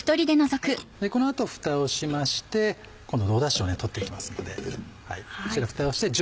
この後ふたをしまして今度はダシを取って行きますので。